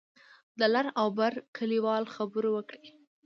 د لر او بر کلیوال خبرو وکړې.